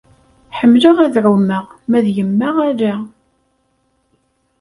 Ḥemmleɣ ad ɛummeɣ, ma d yemma ala.